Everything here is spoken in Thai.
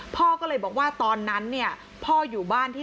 พ่อก็เลยบอกว่าตอนนั้นเนี่ยพ่ออยู่บ้านที่